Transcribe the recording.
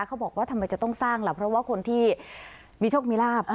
เขาบอกว่าทำไมจะต้องสร้างล่ะเพราะว่าคนที่มีโชคมีลาบ